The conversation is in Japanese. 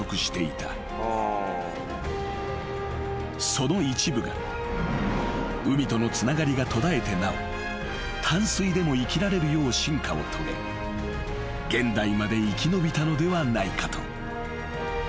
［その一部が海とのつながりが途絶えてなお淡水でも生きられるよう進化を遂げ現代まで生き延びたのではないかと］